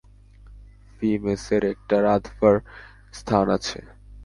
ফি-মেসের একটা রাঁধবার স্থান আছে।